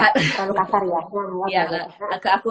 terlalu kasar ya